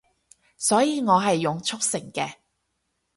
所以我係用速成嘅